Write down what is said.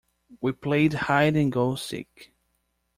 We played hide and go seek.